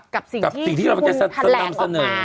กับสิ่งที่คุณแถลงออกมา